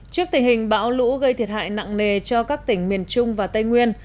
trước tình hình bão lũ gây thiệt hại nặng nề cho các tỉnh miền trung và tây nguyên